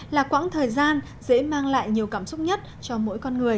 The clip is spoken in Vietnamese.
là quãng thời gian dễ mang lại nhiều cảm xúc nhất cho mỗi con người